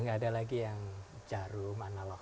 nggak ada lagi yang jarum analog